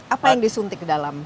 apa yang disuntik dalam